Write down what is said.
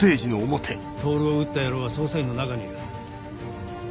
透を撃った野郎は捜査員の中にいる。